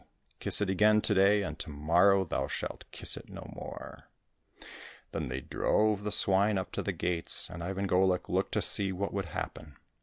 Kiss it again to day, and to morrow thou shalt kiss it no more !" Then they drove the swine up to the gates, and Ivan Golik looked to see what would happen.